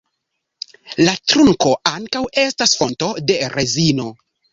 La trunko ankaŭ estas fonto de rezino.